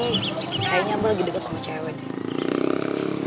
kayaknya abah lagi deket sama cewek